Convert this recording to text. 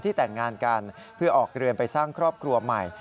แต่งงานกันเพื่อออกเรือนไปสร้างครอบครัวใหม่